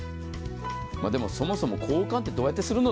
でも、そもそも交換ってどうやってするの？